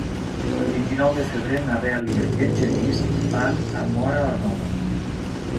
El vint-i-nou de febrer na Dèlia i en Genís van a Móra la Nova.